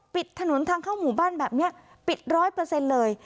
ปิดถนนทางเข้าหมู่บ้านแบบนี้ปิดร้อยเปอร์เซ็นต์เลย